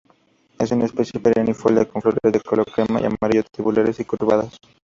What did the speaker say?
Es una especie perennifolia con flores de color crema o amarillo, tubulares y curvadas.